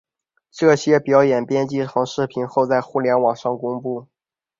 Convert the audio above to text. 这些表演编辑成视频后在互联网上公布。